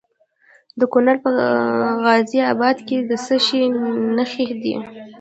د کونړ په غازي اباد کې د څه شي نښې دي؟